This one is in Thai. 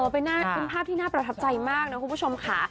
เป็นภาพที่น่าประทับใจมากนะคุณผู้ชมค่ะ